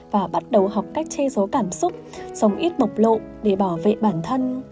và bắt đầu học cách chê giấu cảm xúc sống ít mộc lộ để bảo vệ bản thân